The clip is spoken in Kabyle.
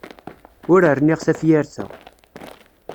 Ur rniɣ tafyirt-a.